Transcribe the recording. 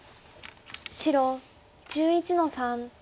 白１１の三。